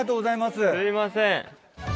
すいません。